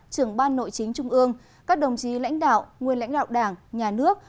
trưởng ban nội chính trung ương các đồng chí lãnh đạo nguyên lãnh đạo đảng nhà nước